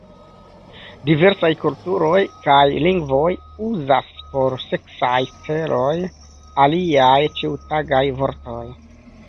Diversaj kulturoj kaj lingvoj uzas por seksaj celoj aliaj ĉiutagaj vortoj.